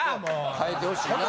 変えてほしいなと。